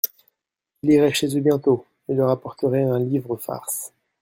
Il irait chez eux bientôt, et leur apporterait un livre farce.